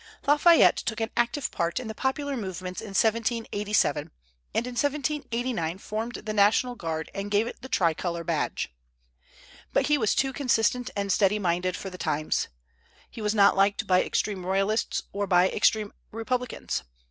Lafayette took an active part in the popular movements in 1787, and in 1789 formed the National Guard and gave it the tricolor badge. But he was too consistent and steady minded for the times. He was not liked by extreme Royalists or by extreme Republicans.